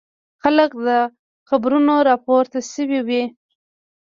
خلک له قبرونو را پورته شوي وي.